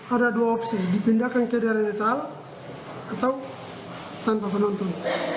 ada dua opsi dipindahkan ke daerah netral atau tanpa penonton